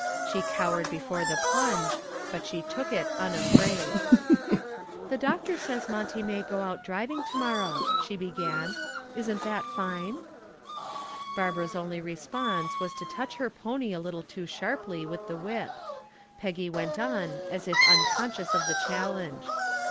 She cowered before the plunge, but she took it unafraid. "The doctor says Monty may go out driving to morrow," she began. "Isn't that fine?" Barbara's only response was to touch her pony a little too sharply with the whip. Peggy went on as if unconscious of the challenge.